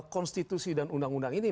konstitusi dan undang undang ini